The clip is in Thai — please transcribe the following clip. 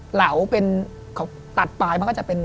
เหลาเป็นเขาตัดปลายมันก็จะเป็น